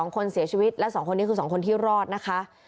๒คนเสียชีวิตและ๒คนนี้คือ๒คนที่รอดนะคะ